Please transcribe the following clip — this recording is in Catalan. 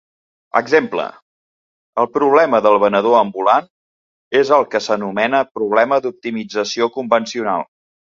Exemple: el problema del venedor ambulant és el que s'anomena problema d'optimització convencional.